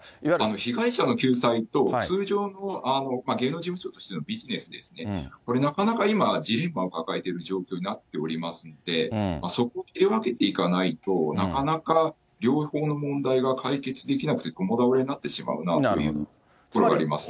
被害者の救済と、通常の芸能事務所としてのビジネスですね、これなかなか今、ジレンマを抱えている状況になっていますので、そこを分けていかないと、なかなか両方の問題が解決できなくて、共倒れになってしまうなというところがありますね。